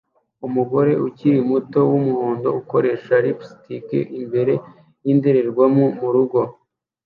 Umugore ukiri muto wumuhondo akoresha lipstick imbere yindorerwamo murugo